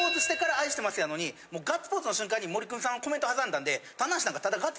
もうガッツポーズの瞬間にもりくみさんコメント挟んだんで。